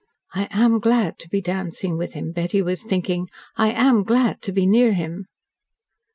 "I am glad to be dancing with him," Betty was thinking. "I am glad to be near him."